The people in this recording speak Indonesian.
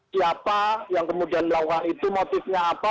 siapa yang kemudian melakukan itu motifnya apa